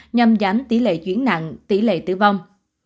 nhằm giảm tỷ lệ chuyển nặng tỷ lệ tử vong